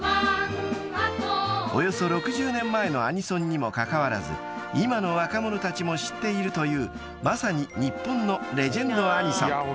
［およそ６０年前のアニソンにもかかわらず今の若者たちも知っているというまさに日本のレジェンドアニソン］